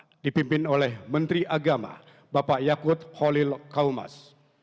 yang dipimpin oleh menteri agama bapak yakut holil kaumas